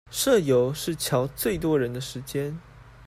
社遊是喬最多人的時間